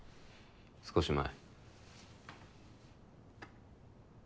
少し前。